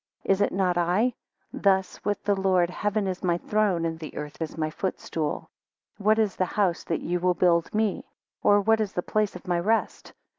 Is it not I? Thus with the Lord, Heaven is my throne, and the earth is my footstool. What is the house that ye will build me? Or what is the place of my rest?